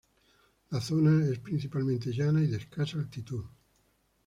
La zona es principalmente llana y de escasa altitud.